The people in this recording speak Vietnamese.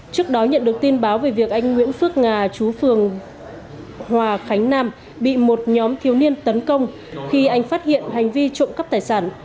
trước đó nhận được tin báo về việc anh nguyễn phước ngà chú phường hòa khánh nam bị một nhóm thiếu niên tấn công khi anh phát hiện hành vi trộm cắp tài sản